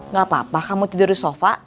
gak apa apa kamu tidur di sofa